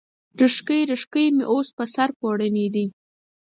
ریښکۍ، ریښکۍ مې اوس، په سر پوړني دی